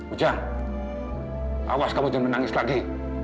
udah awas kamu jangan menangis lagi